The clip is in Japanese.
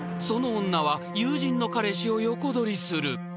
［その女は友人の彼氏を横取りする］